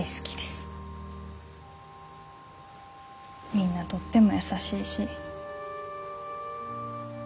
みんなとっても優しいし。